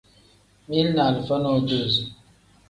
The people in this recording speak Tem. Mili ni alifa nodozo.